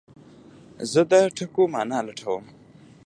زه د ټکو مانا لټوم.